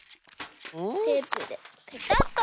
テープでペタッと。